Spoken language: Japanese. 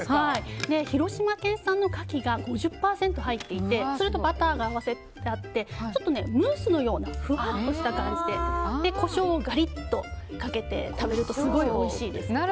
広島県産の牡蠣が５０％入っていてそれとバターが合わせてあってちょっとムースのようなふわっとした感じでコショウをガリッとかけて食べるとすごいおいしいです。